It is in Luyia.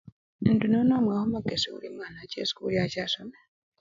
Indi nono omuwa khumakesi oli umwana ache esikuli ache asome.